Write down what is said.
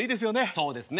そうですね。